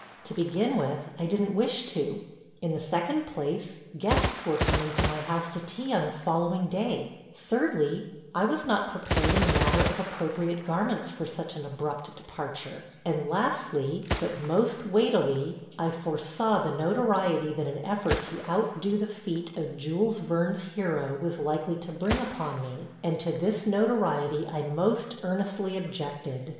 To begin with, I didn't wish to. In the second place, guests were coming to my house to tea on the following day; thirdly, I was not prepared in the matter of appropriate garments for such an abrupt departure, and lastly, but most weightily, I foresaw the notoriety that an effort to outdo the feat of Jules Verne's hero was likely to bring upon me, and to this notoriety I most earnestly objected.